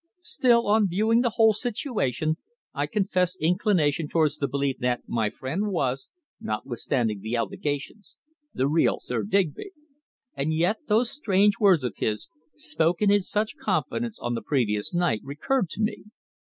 Still, on viewing the whole situation, I confess inclination towards the belief that my friend was, notwithstanding the allegations, the real Sir Digby. And yet those strange words of his, spoken in such confidence on the previous night, recurred to me.